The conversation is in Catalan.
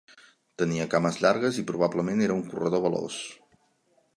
Tenia cames llargues i probablement era un corredor veloç.